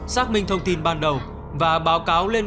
xác minh thông tin ban đầu và báo cáo lên